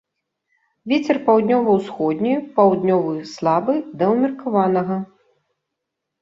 Вецер паўднёва-ўсходні, паўднёвы слабы да ўмеркаванага.